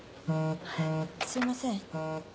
すいません。